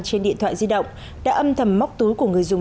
trên điện thoại di động đã âm thầm móc túi của người dùng